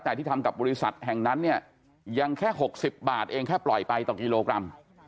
แต่ที่ทำกับบริษัทแห่งนั้นเนี่ยยังแค่๖๐บาทเองแค่ปล่อยไปต่อกิโลกรัม